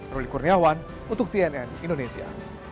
ruli kurniawan untuk cnn indonesia